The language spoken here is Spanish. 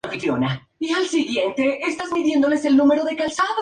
Se encuentra sobre la orilla este del río Elba.